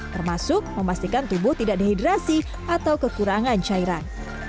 termasuk memastikan tubuh tidak dehidrasi atau kekurangan cairan